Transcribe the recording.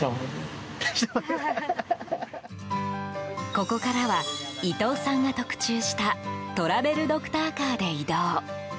ここからは伊藤さんが特注したトラベルドクターカーで移動。